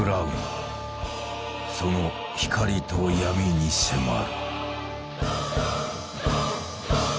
その光と闇に迫る。